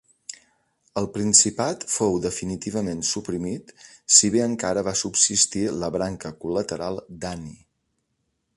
El principat fou definitivament suprimit si bé encara va subsistir la branca col·lateral d'Ani.